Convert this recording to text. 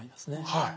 はい。